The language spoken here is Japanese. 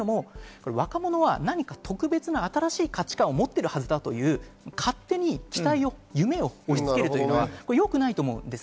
若者は何か特別な新しい価値観を持っているはずだという勝手な期待や夢を押し付けるのはよくないと思うんです。